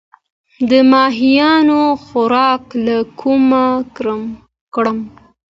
د ماهیانو خوراک له کومه کړم؟